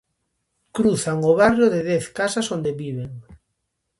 Cruzan o barrio de dez casas onde viven.